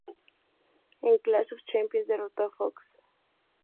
En Clash of Champions, derrotó a Fox.